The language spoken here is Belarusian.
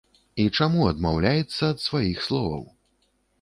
І чаму адмаўляецца ад сваіх словаў?